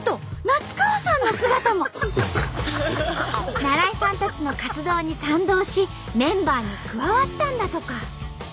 那良伊さんたちの活動に賛同しメンバーに加わったんだとか。